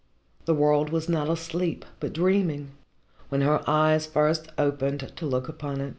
The world was not asleep but dreaming, when her eyes first opened to look upon it.